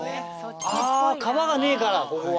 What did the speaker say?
ああ川がねぇからここは。